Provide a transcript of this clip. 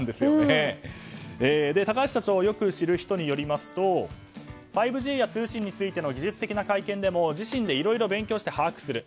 高橋社長をよく知る人によりますと５Ｇや通信についての技術的な会見でも自身でいろいろ勉強して把握する。